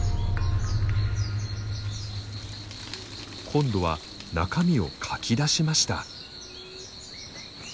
今度は中身をかき出しました。